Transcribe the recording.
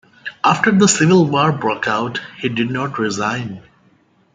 After the Civil War broke out, he did not resign.